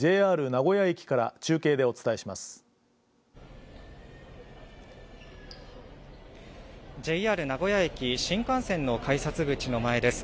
ＪＲ名古屋駅から中継でお伝えします。